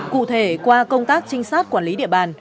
cụ thể qua công tác trinh sát quản lý địa bàn